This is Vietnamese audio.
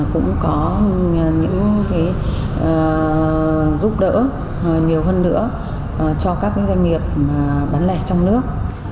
cũng có những giúp đỡ nhiều hơn nữa cho các doanh nghiệp bán lẻ trong nước